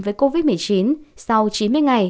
với covid một mươi chín sau chín mươi ngày